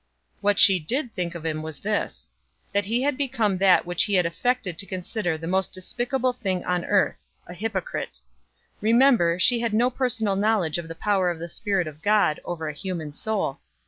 What she did think of him was this: That he had become that which he had affected to consider the most despicable thing on earth a hypocrite. Remember, she had no personal knowledge of the power of the Spirit of God over a human soul.